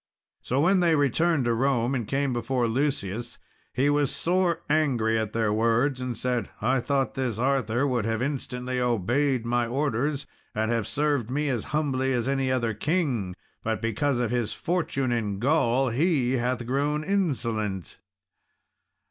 So when they returned to Rome and came before Lucius, he was sore angry at their words, and said, "I thought this Arthur would have instantly obeyed my orders and have served me as humbly as any other king; but because of his fortune in Gaul, he hath grown insolent."